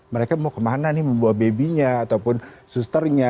mereka mau kemana nih membawa babynya ataupun susternya